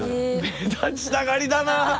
目立ちたがりだなあ。